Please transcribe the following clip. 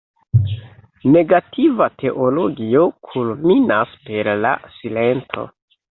Negativa teologio kulminas per la silento.